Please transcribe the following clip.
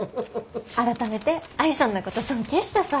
改めて愛さんのこと尊敬したさ。